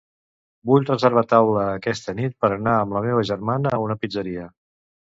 Vull reservar taula aquesta nit per anar amb la meva germana a una pizzeria.